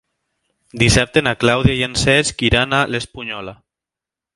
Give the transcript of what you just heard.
Dissabte na Clàudia i en Cesc iran a l'Espunyola.